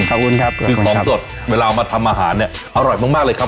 ขอบคุณครับคือของสดเวลามาทำอาหารเนี่ยอร่อยมากเลยครับ